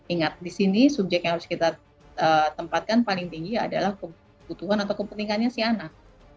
ingat di sini subjek yang harus kita tempatkan paling tinggi adalah kebutuhan atau kepentingannya si anak